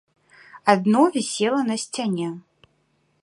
Адно вісела на сцяне.